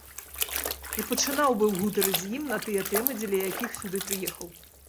І пачынаў быў гутарыць з ім на тыя тэмы, дзеля якіх сюды прыехаў.